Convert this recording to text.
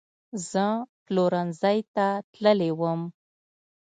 زه پلورنځۍ ته تللې وم